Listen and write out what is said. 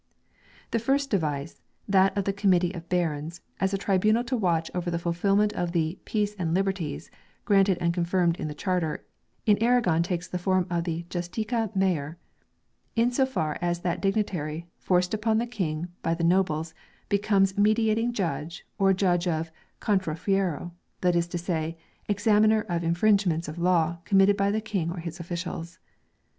The first device, that of the committee of barons, as a tribunal to watch over the fulfilment of the " peace and liberties " granted and confirmed in the Charter, in Aragon takes the form of the "Justicia Mayor," in so far as that dignitary, forced upon the King by the nobles, becomes mediating judge or judge of *' contrafuero," that is to say, examiner of infringe ments of law committed by the King or his officials.